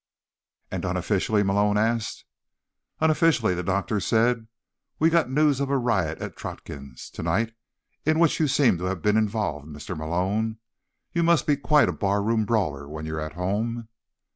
"And unofficially?" Malone asked. "Unofficially," the doctor said, "we've got news of a riot at Trotkin's tonight, in which you seem to have been involved. Mr. Malone, you must be quite a barroom brawler when you're at home."